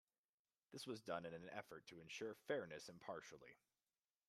This was done in an effort to ensure fairness impartiality.